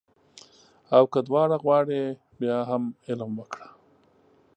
او که دواړه غواړې بیا هم علم وکړه